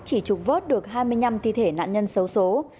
chỉ trục vớt được hai mươi năm thi thể nạn nhân xấu xố